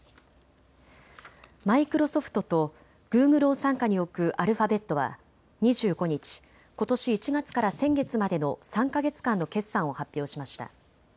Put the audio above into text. マイクロソフトとグーグルを傘下に置くアルファベットは２５日、ことし１月から先月までの３か月間の決算を発表しました。